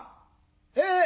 「へえ！